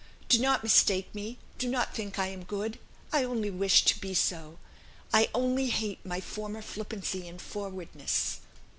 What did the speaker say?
Do not mistake me do not think I am good; I only wish to be so. I only hate my former flippancy and forwardness.